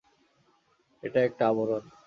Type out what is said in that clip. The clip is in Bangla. এটা একটা আবরণ।